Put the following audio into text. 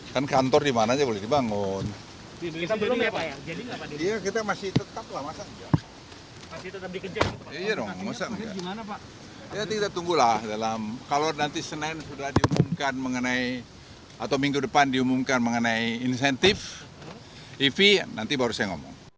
pembangunan atau minggu depan diumumkan mengenai insentif ev nanti baru saya ngomong